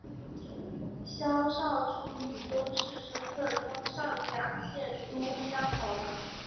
萧韶初以宗室身份封上甲县都乡侯。